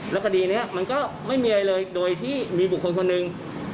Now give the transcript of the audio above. แล้วคดีนี้มันก็ไม่มีอะไรเลยโดยที่มีบุคคลคนหนึ่ง